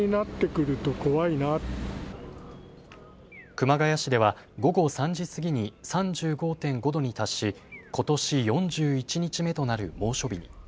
熊谷市では午後３時過ぎに３５．５度に達しことし４１日目となる猛暑日に。